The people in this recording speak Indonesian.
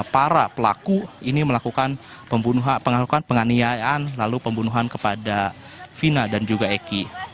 para pelaku ini melakukan pengakuan penganiayaan lalu pembunuhan kepada vina dan juga eki